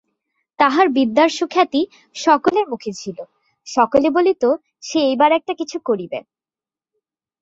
তাহার বিদ্যার সুখ্যাতি সকলের মুখে ছিল, সকলে বলিত সে এইবার একটা কিছু করিবে।